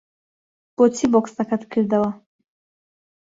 بۆچی بۆکسەکەت کردەوە؟